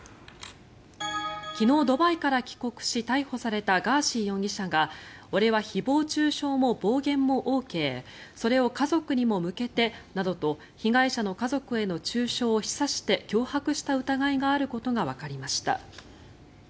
昨日ドバイから帰国し逮捕されたガーシー容疑者が俺は誹謗・中傷も暴言もＯＫそれを家族にも向けてなどと被害者の家族への中傷を示唆して脅迫した疑いがあることがわかりました。